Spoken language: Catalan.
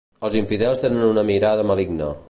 Els infidels tenien una mirada maligna.